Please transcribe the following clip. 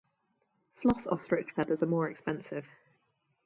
Floss ostrich feathers are more expensive.